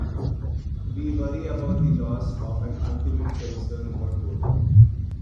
We worry about the loss of an ultimate concern or goal.